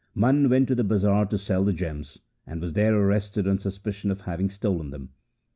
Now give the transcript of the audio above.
Mana went to the bazar to sell the gems, and was there arrested on suspicion of having stolen them.